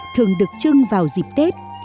thường được trưng vào dịp tết